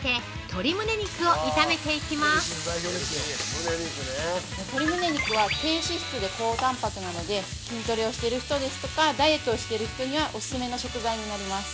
◆鶏むね肉は低脂質で高たんぱくなので、筋トレをしている人ですとか、ダイエットをしている人にはオススメの食材になります。